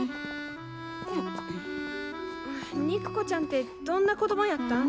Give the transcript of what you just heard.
肉子ちゃんってどんな子供やったん？